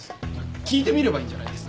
聞いてみればいいんじゃないですか？